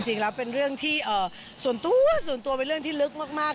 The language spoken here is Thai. จริงแล้วเป็นเรื่องที่ส่วนตัวเป็นเรื่องที่ลึกมาก